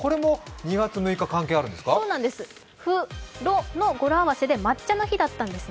２・６の語呂合わせで抹茶の日だったんですね。